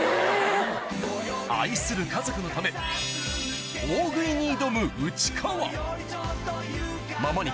愛する家族のため大食いに挑む内川モモ肉